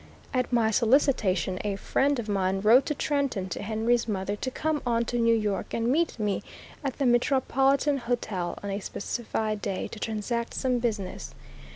At my solicitation a friend of mine wrote to Trenton to Henry's mother to come on to New York, and meet me at the Metropolitan Hotel on a specified day, to transact some business.